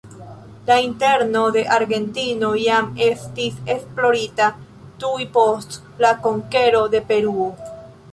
La interno de Argentino jam estis esplorita tuj post la konkero de Peruo.